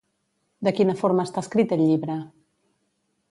De quina forma està escrit el llibre?